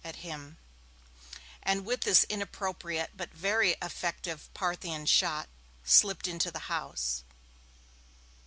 at him, and, with this inappropriate but very effective Parthian shot, slipped into the house.